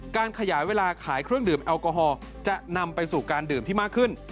การขยายเวลาขายเครื่องดื่มแอลกอฮอล์จะนำไปสู่การดื่มที่มากขึ้น